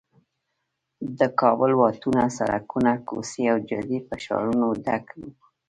د کابل واټونه، سړکونه، کوڅې او جادې په شعارونو ډک دي.